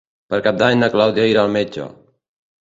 Per Cap d'Any na Clàudia irà al metge.